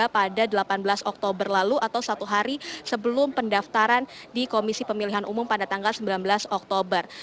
pada delapan belas oktober lalu atau satu hari sebelum pendaftaran di komisi pemilihan umum pada tanggal sembilan belas oktober